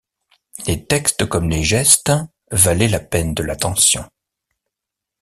Les textes comme les gestes valaient la peine de l'attention.